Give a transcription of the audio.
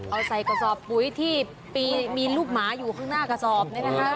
เอาใส่กระสอบปุ๋ยที่มีลูกหมาอยู่ข้างหน้ากระสอบเนี่ยนะคะ